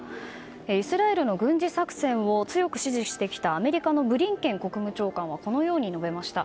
イスラエルの軍事作戦を強く支持してきたアメリカのブリンケン国務長官はこのように述べました。